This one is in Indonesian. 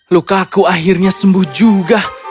luka aku akhirnya sembuh juga